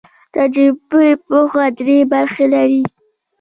تجربوي پوهه درې برخې لري.